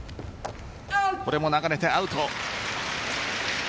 これも流れてアウト。